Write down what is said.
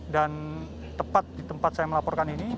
dan tepat di tempat saya melaporkan ini